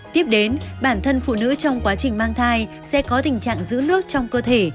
tiếp đến bản thân phụ nữ trong quá trình mang thai sẽ có tình trạng giữ nước trong cơ thể